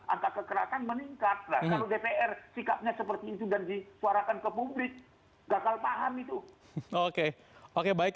angka kekerasan meningkat lah kalau dpr sikapnya seperti itu dan disuarakan ke publik gagal paham itu oke baik